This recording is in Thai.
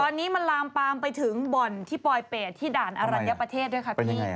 ตอนนี้มันลามปามไปถึงบ่อนที่ปลอยเป็ดที่ด่านอรัญญประเทศด้วยค่ะพี่